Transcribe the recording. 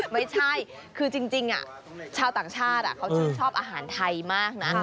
ไม่ใช่คือจริงชาวต่างชาติเขาชื่นชอบอาหารไทยมากนะ